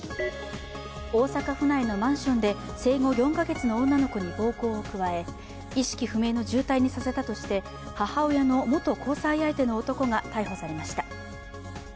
大阪府内のマンションで生後４カ月の女の子に暴行を加え意識不明の重体にさせたとして母親の元交際相手の男が逮捕されました。